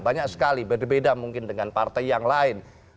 banyak sekali beda beda mungkin dengan partai yang lain